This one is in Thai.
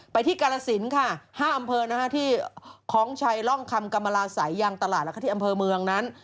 ที่กาลสินค่ะ๕อำเภอที่คล้องชัยร่องคำกรรมราศัยยังตลาดแล้วก็ที่อำเภอเมืองนั้น